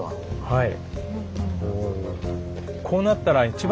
はい。